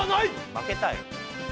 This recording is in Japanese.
負けたよ。